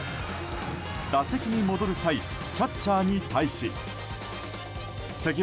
打席に戻る際キャッチャーに対し。